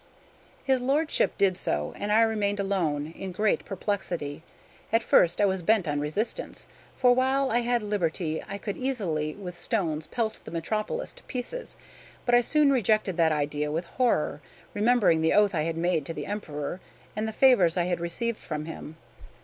His lordship did so; and I remained alone, in great perplexity. At first I was bent on resistance; for while I had liberty I could easily with stones pelt the metropolis to pieces; but I soon rejected that idea with horror, remembering the oath I had made to the Emperor, and the favors I had received from him.